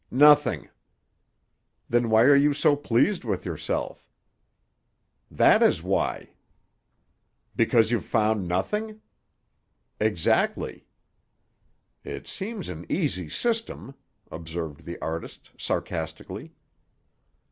"Nothing." "Then why are you so pleased with yourself?" "That is why." "Because you've found nothing?" "Exactly." "It seems an easy system," observed the artist sarcastically.